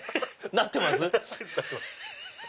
なってます。